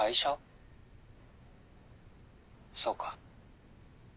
そうか。